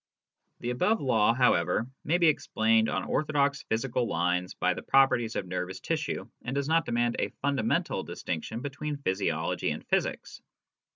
(The above law, however, may be explained on orthodox physical lines by the properties of nervous tissue, and does not demand & fundamental distinction between physiology and physics.)